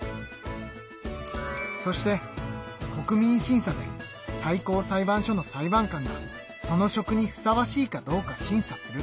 そして国民審査で最高裁判所の裁判官がその職にふさわしいかどうか審査する。